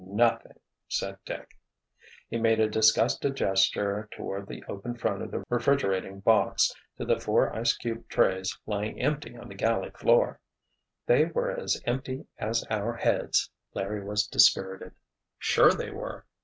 "Nothing!" said Dick. He made a disgusted gesture toward the open front of the refrigerating box, to the four ice cube trays lying empty on the galley floor. "They were as empty as our heads!" Larry was dispirited. "Sure they were!"